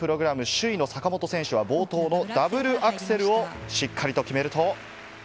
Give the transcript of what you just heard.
首位の坂本選手は、冒頭のダブルアクセルをしっかりと決めると。